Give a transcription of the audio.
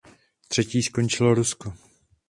Třetí skončilo Rusko.